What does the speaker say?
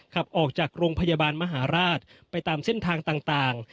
ขับออกจากโรงพยาบาลมหาราชไปตามเส้นทางต่าง